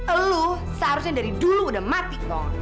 elu seharusnya dari dulu udah mati kong